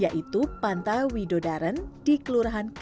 yaitu pantai widodaran di kelurahan kanigoro